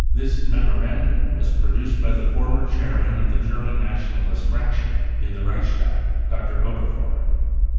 This memorandum was pro duced by the former chairman of the German Nationalist * fraction in the Reichstag, Dr. Oberfohren.